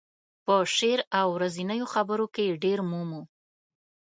په شعر او ورځنیو خبرو کې یې ډېر مومو.